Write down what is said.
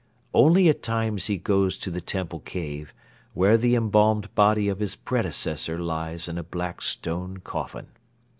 Only at times he goes to the temple cave where the embalmed body of his predecessor lies in a black stone coffin.